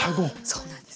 そうなんです。